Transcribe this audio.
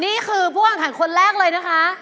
นี่คือพวกอังษัยคนแรกเลยนะคะ